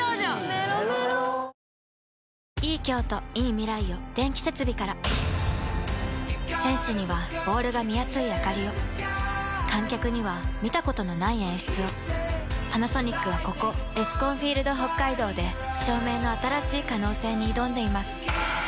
メロメロ選手にはボールが見やすいあかりを観客には見たことのない演出をパナソニックはここエスコンフィールドＨＯＫＫＡＩＤＯで照明の新しい可能性に挑んでいます